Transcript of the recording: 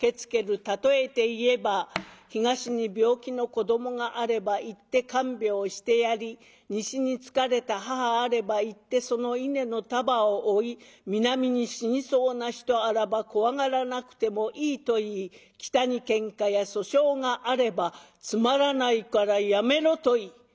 例えて言えば東に病気の子どもがあれば行って看病してやり西に疲れた母あれば行ってその稲の束を負い南に死にそうな人あらば怖がらなくてもいいと言い北にけんかや訴訟があればつまらないからやめろと言い。